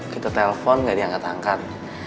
kita telpon gak diangkat angkat